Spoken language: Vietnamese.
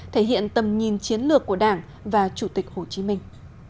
thể hiện tầm nhìn chiến lược của đảng và chủ tịch hồ chí minh